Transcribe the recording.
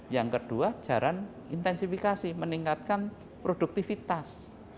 yang kedua jaran intensifikasi meningkatkan produktivitas